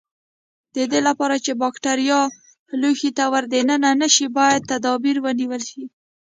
د دې لپاره چې بکټریا لوښي ته ور دننه نشي باید تدابیر ونیول شي.